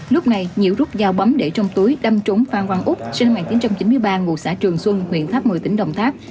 lúc này nhiễu rút dao bấm để trong túi đâm trúng phan văn úc sinh năm một nghìn chín trăm chín mươi ba ngụ xã trường xuân huyện tháp một mươi tỉnh đồng tháp